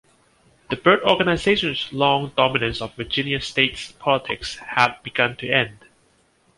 The Byrd Organization's long dominance of Virginia state politics had begun to end.